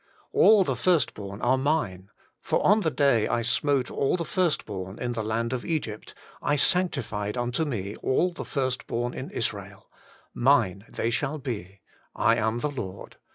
'All the first born are mine; for on the day I smote all the first born in the land of Egypt / sanctified unto me all the first born in Israel : mine they shall be ; I am the Lord.'